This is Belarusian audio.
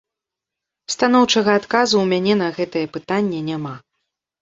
Станоўчага адказу ў мяне на гэтае пытанне няма.